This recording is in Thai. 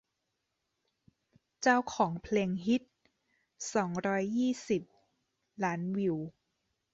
เจ้าของเพลงฮิต สองร้อยยี่สิบ ล้านวิว